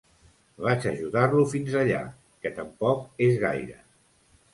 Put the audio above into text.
Vaig ajudar-lo fins allà, que tampoc és gaire.